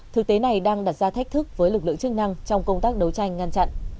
thực tế này đang đặt ra thách thức với lực lượng chức năng trong công tác đấu tranh ngăn chặn